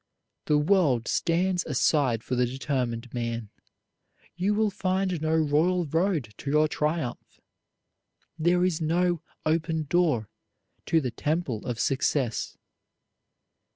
The world always stands aside for the determined man. You will find no royal road to your triumph. There is no open door to the Temple of Success.